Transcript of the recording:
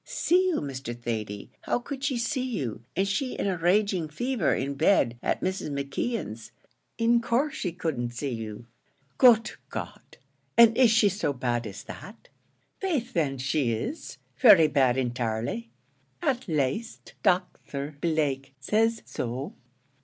"See you, Mr. Thady! How could she see you, an' she in a raging fever in bed at Mrs. McKeon's? in course she couldn't see you." "Good God! and is she so bad as that?" "Faith then, she is, very bad intirely; at laste, Docther Blake says so."